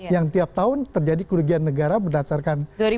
yang tiap tahun terjadi kerugian negara berdasarkan